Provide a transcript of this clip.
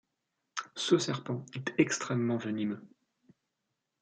Ce serpent est extrêmement venimeux.